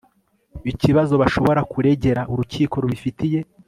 ikibazo bashobora kuregera urukiko rubifitiye